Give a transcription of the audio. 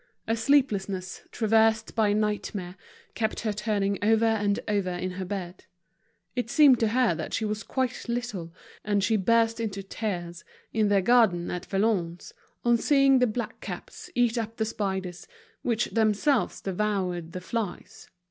A sleeplessness, traversed by nightmare, kept her turning over and over in her bed. It seemed to her that she was quite little, and she burst into tears, in their garden at Valognes, on seeing the blackcaps eat up the spiders, which themselves devoured the flies.